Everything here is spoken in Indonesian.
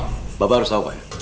pak bapak harus tahu pak ya